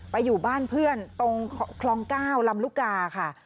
อยู่บ้านเพื่อนตรงคลอง๙ลำลุกาค่ะ